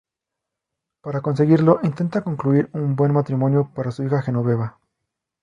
Para conseguirlo, intenta concluir un buen matrimonio para su hija Genoveva.